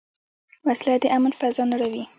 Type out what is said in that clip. وسله د امن فضا نړوي